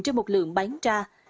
trên một lượng bán ra